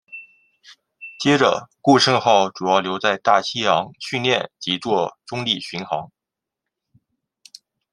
接着顾盛号主要留在大西洋训练及作中立巡航。